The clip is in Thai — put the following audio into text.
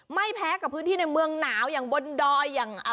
ไม่แพ้กับพื้นที่ในเมืองหนาวอย่างบนดอยอย่าง